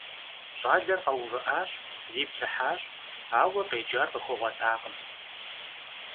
Щӏалэр къэувыӀащ, зиплъыхьащ, ауэ къеджар къыхуэгъуэтакъым.